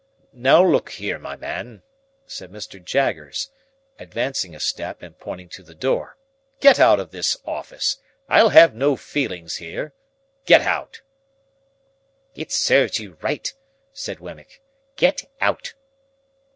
"Now look here my man," said Mr. Jaggers, advancing a step, and pointing to the door. "Get out of this office. I'll have no feelings here. Get out." "It serves you right," said Wemmick, "Get out."